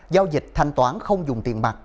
giao dịch thanh toán không dùng tiền mặt